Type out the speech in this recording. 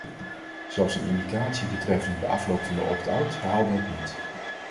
Zelfs een indicatie betreffende de afloop van de opt-out haalde het niet.